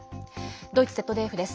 ドイツＺＤＦです。